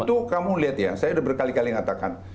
itu kamu lihat ya saya udah berkali kali ngatakan